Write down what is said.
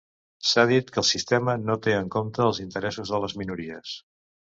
S'ha dit que el sistema no té en compte els interessos de les minories.